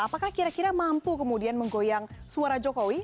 apakah kira kira mampu kemudian menggoyang suara jokowi